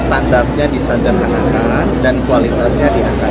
standarnya disajarkan akan dan kualitasnya diangkat